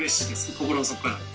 心の底から。